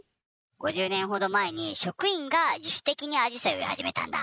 ５０年ほど前に職員が自主的にあじさいを植え始めたんだ。